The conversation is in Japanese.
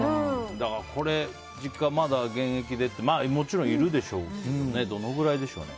だから実家でまだ現役でという人ももちろんいるでしょうけどどのくらいでしょうね。